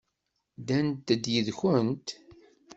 Ddant-d yid-kent?